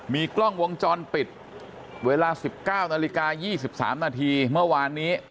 มีกล้องวงจรปิดเวลา๑๙นาฬิกา๒๓นาทีเมื่อวานนี้